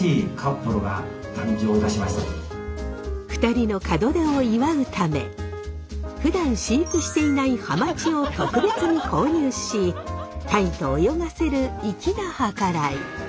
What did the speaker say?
２人の門出を祝うためふだん飼育していないハマチを特別に購入しタイと泳がせる粋な計らい。